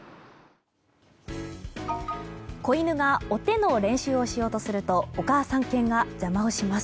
子犬がお手の練習をしようとするとお母さん犬が邪魔をします。